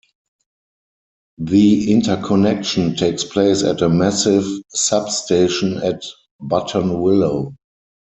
The interconnection takes place at a massive substation at Buttonwillow.